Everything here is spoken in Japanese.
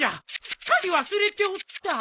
すっかり忘れておった。